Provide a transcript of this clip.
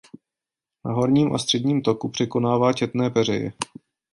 Na horním a středním toku překonává četné peřeje.